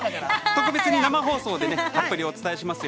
特別に生放送でたっぷりお伝えします。